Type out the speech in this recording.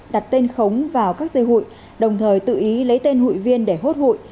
đặt tên khống vào các dây hụi đồng thời tự ý lấy tên hụi viên để hốt hụi